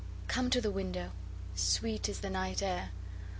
Come to the window, sweet is the night air!